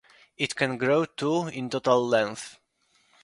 It can grow to in total length.